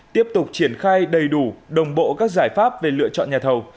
tiếp tục triển khai đầy đủ đồng bộ các giải pháp về lựa chọn nhà thầu